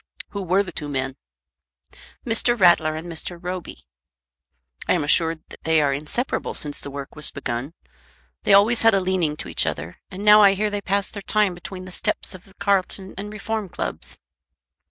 "Who were the two men?" "Mr. Rattler and Mr. Roby." "I am assured that they are inseparable since the work was begun. They always had a leaning to each other, and now I hear they pass their time between the steps of the Carlton and Reform Clubs."